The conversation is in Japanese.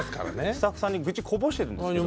スタッフさんに愚痴こぼしてるんですけど。